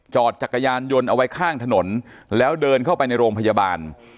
จักรยานยนต์เอาไว้ข้างถนนแล้วเดินเข้าไปในโรงพยาบาล